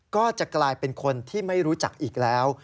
ก็จะกลายเป็นคนที่ไม่รู้จักอีกแล้ว